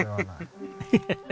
ハハハハ。